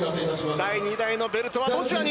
・第２代のベルトはどちらに？